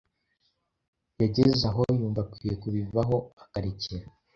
Yageze aho yumva akwiriye kubivaho akarekera